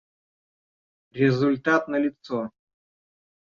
Результат налицо